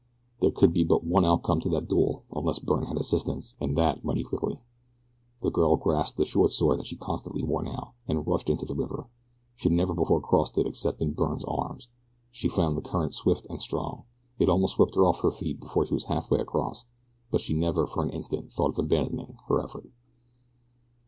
There could be but one outcome to that duel unless Byrne had assistance, and that mighty quickly. The girl grasped the short sword that she constantly wore now, and rushed into the river. She had never before crossed it except in Byrne's arms. She found the current swift and strong. It almost swept her off her feet before she was halfway across, but she never for an instant thought of abandoning her effort.